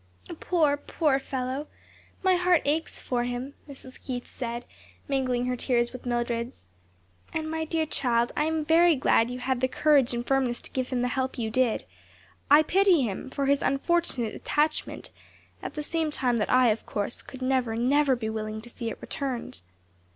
"Poor, poor fellow! my heart aches for him," Mrs. Keith said, mingling her tears with Mildred's. "And, my dear child I am very glad you had the courage and firmness to give him the help you did. I pity him, too, for his unfortunate attachment, at the same time that I, of course, could never, never be willing to see it returned.